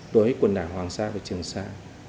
đối với quần đảng hoàng sa và trường sa